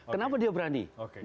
kenapa dia berani